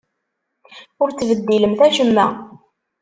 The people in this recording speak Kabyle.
Ur ttbeddilemt acemma!